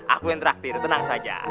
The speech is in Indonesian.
aku yang terakhir tenang saja